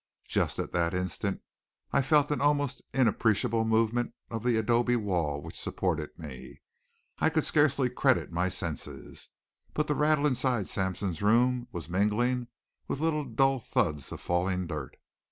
Just at that instant I felt an almost inappreciable movement of the adobe wall which supported me. I could scarcely credit my senses. But the rattle inside Sampson's room was mingling with little dull thuds of falling dirt.